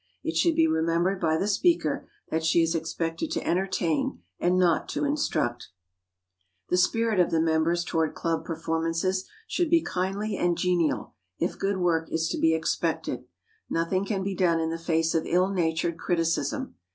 It should be remembered by the speaker that she is expected to entertain and not to instruct. [Sidenote: UNWISE CRITICISM] The spirit of the members toward club performances should be kindly and genial, if good work is to be expected. Nothing can be done in the face of ill natured criticism.